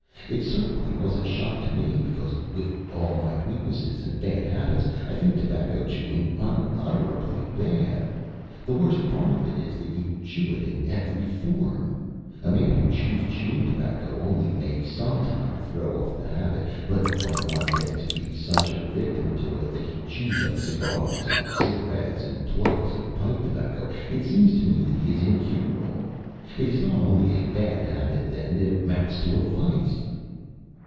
It certainly was a shock to me, because, with all my weaknesses and bad habits, I think tobacco chewing unutterably bad. The worst part of it is that you chew it in every form. A man who chews chewing tobacco only may some time throw off the habit, but when one gets to be such a victim to it that he chews up cigars and cigarettes and plugs of pipe tobacco, it seems to me he is incurable. It is not only a bad habit then; it amounts to a vice."